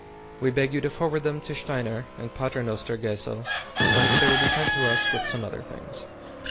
We beg you to forward them to Steiner, in Pater Noster Gässel, whence they will be sent to us with some other things.